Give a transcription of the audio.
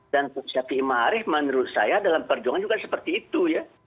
dan syafi'i mahari menurut saya dalam perjuangan juga seperti itu